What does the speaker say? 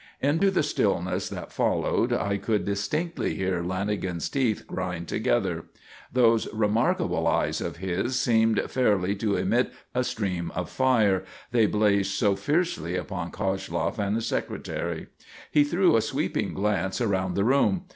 Into the stillness that followed I could distinctly hear Lanagan's teeth grind together. Those remarkable eyes of his seemed fairly to emit a stream of fire, they blazed so fiercely upon Koshloff and the Secretary. He threw a sweeping glance around the room.